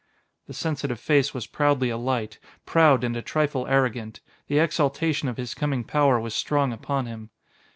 The sensitive face was proudly alight, proud and a trifle arrogant. The exaltation of his coming power was strong upon him.